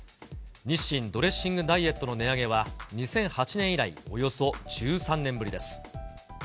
日清ドレッシングダイエットの値上げは、２００８年以来およそ１３年ぶりです。